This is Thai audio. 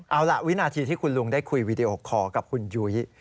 เอาล่ะวินาทีที่คุณลุงได้คุยวีดีโอคอร์กับคุณยุ้ย